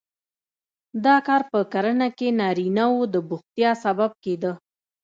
دا کار په کرنه کې نارینه وو د بوختیا سبب کېده.